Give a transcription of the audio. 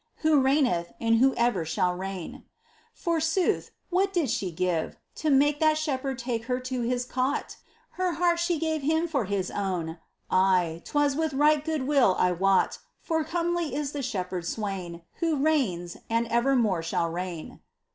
Who reigneth, and Who e'er shall reign ! Forsooth, what did she give, to make That Shepherd take her to His cot ? 32 MINOR WORKS OF ST. TERESA. Her heart she gave Him for His own — Aye, 'twas with right goodwill, I wot, For comely is that Shepherd Swain Who reigns, and ever more shall reign